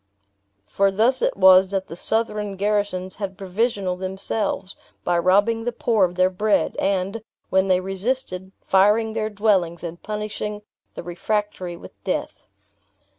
For thus it was that the Southron garrisons had provisional themselves; by robbing the poor of their bread; and, when they resisted, firing their dwellings, and punishing the refractory with death.